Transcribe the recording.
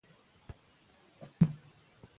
د جګړې د ګټلو ویاړ د سرتېرو په اراده پورې تړلی دی.